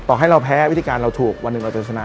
ให้เราแพ้วิธีการเราถูกวันหนึ่งเราเป็นชนะ